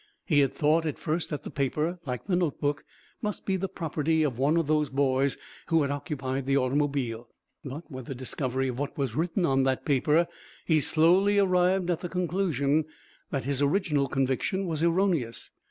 He had thought at first that the paper, like the notebook, must be the property of one of those boys who had occupied the automobile, but, with the discovery of what was written on that paper, he slowly arrived at the conclusion that his original conviction was erroneous.